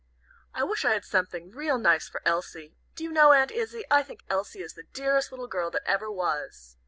"I wish I had something real nice for Elsie. Do you know, Aunt Izzie I think Elsie is the dearest little girl that ever was."